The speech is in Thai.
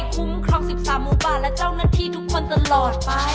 คุ้มครอง๑๓หมูป่าและเจ้าหน้าที่ทุกคนตลอดไป